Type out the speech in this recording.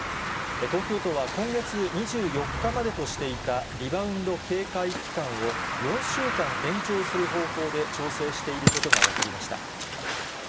東京都は今月２４日までとしていたリバウンド警戒期間を、４週間延長する方向で調整していることが分かりました。